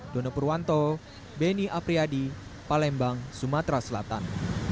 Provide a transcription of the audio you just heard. dono purwanto beni apriyadi palembang sumatera selatan